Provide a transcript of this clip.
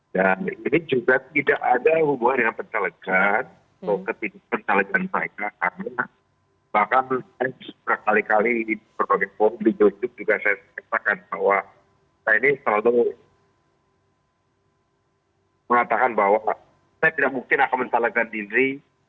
dan ini juga tidak ada hubungan dengan penyelekan atau ketidakpenyelekan mereka karena bahkan saya suka kali kali di projek poblis juga saya saksikan bahwa saya ini selalu mengatakan bahwa saya tidak mungkin akan menyelekan diri